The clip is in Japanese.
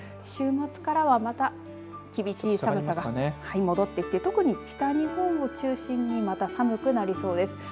週末からは、また厳しい寒さが戻ってきて特に北日本を中心にまた寒くなりそうです。